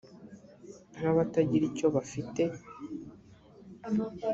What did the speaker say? nk abatagira icyo bafite